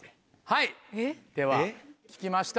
はいでは聞きました。